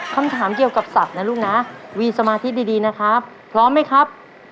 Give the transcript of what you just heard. คำถามเกี่ยวกับสัตว์นะลูกนะมีสมาธิดีนะครับพร้อมไหมครับ